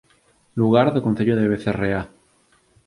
Lugar do Concello de Becerreá